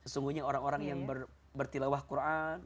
sungguhnya orang orang yang bertilawah quran